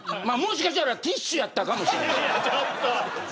もしかしたらティッシュやったかもしれん。